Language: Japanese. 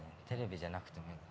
テレビじゃなくても。